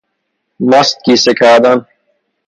ماست کیسه کردن